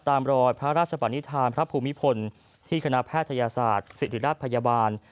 ตามรอยพระราชปนิษฐานพระภูมิพลที่คณะแพทยศาสตร์ศิริราชพยาบาล